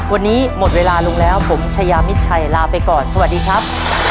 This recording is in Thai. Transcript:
วันนี้หมดเวลาลงแล้วผมชายามิดชัยลาไปก่อนสวัสดีครับ